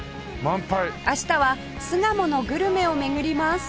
明日は巣鴨のグルメを巡ります